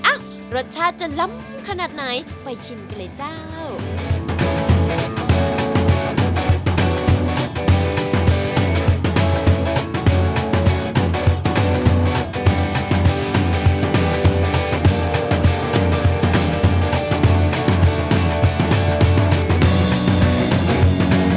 รสชาติจะล้ำขนาดไหนไปชิมกันเลยเจ้า